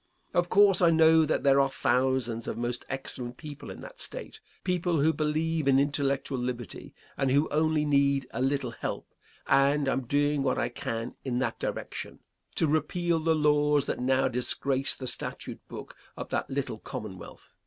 Of course I know that there are thousands of most excellent people in that State people who believe in intellectual liberty, and who only need a little help and I am doing what I can in that direction to repeal the laws that now disgrace the statute book of that little commonwealth.